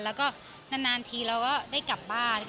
แล้วก็นานทีเราก็ได้กลับบ้าน